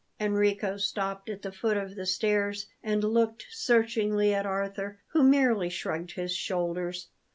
Enrico stopped at the foot of the stairs and looked searchingly at Arthur, who merely shrugged his shoulders.